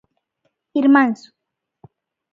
Irmáns.